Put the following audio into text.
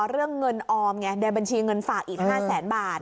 เรื่องเงินออมไงในบัญชีเงินฝากอีก๕แสนบาท